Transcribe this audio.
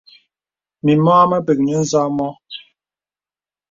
Mì mɔ amə̀ pək nyə̄ ǹzō a mə̀.